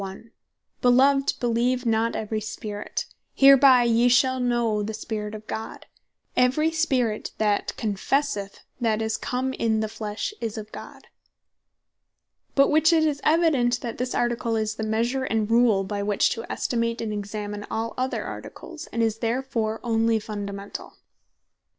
"Beloved, beleeve not every spirit. Hereby yee shall know the Spirit of God; every spirit that confesseth that Jesus Christ is come in the flesh, is of God." By which it is evident, that this Article, is the measure, and rule, by which to estimate, and examine all other Articles; and is therefore onely Fundamentall.